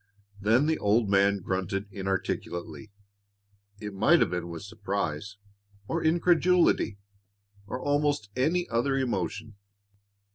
Then the old man grunted inarticulately; it might have been with surprise, or incredulity, or almost any other emotion.